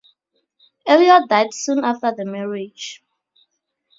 Elliott died soon after the marriage.